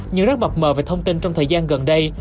nhưng rất mập mờ về thông tin trong thời gian gần đây